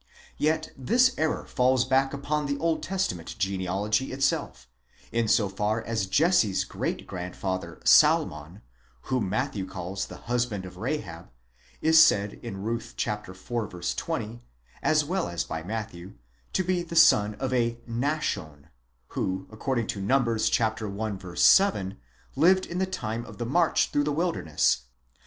Yet this error falls back upon the Old Testament genealogy itself, in so far as Jesse's great grandfather Salmon, whom Matthew calls the husband of Rahab, is said Ruth iv. 20, as well as by Matthew, to be the son of Nahshon, who, according to Numbers i. 7, lived in the time of the march through the wilderness